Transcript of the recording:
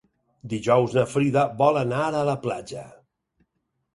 Dijous na Frida vol anar a la platja.